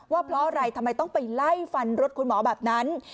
ว่าเพราะอะไรทำไมต้องไปไล่ฟันรถคุณหมอแบบนั้น